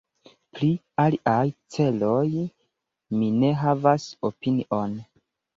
Pri aliaj celoj mi ne havas opinion.